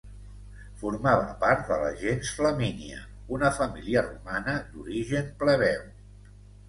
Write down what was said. Formava part de la gens Flamínia, una família romana d'origen plebeu.